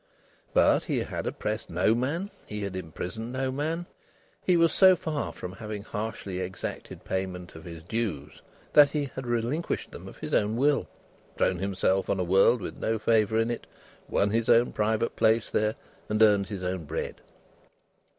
But, he had oppressed no man, he had imprisoned no man; he was so far from having harshly exacted payment of his dues, that he had relinquished them of his own will, thrown himself on a world with no favour in it, won his own private place there, and earned his own bread.